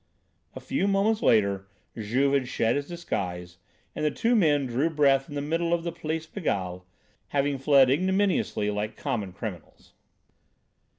A few moments later Juve had shed his disguise and the two men drew breath in the middle of the Place Pigalle, having fled ignominiously like common criminals.